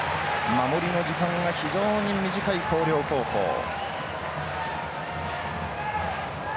守りの時間が非常に短い広陵高校。